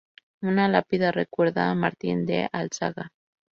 Una lápida recuerda a Martín de Álzaga.